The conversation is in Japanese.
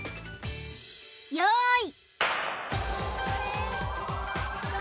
よい！